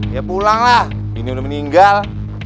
ya pulang lah ini udah meninggal